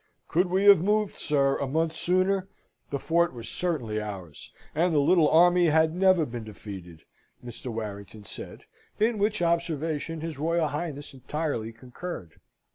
"Could we have moved, sir, a month sooner, the fort was certainly ours, and the little army had never been defeated," Mr. Warrington said; in which observation his Royal Highness entirely concurred.